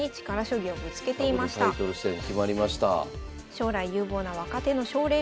将来有望な若手の奨励